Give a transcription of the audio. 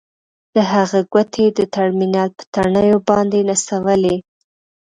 د هغه ګوتې د ټرمینل په تڼیو باندې نڅولې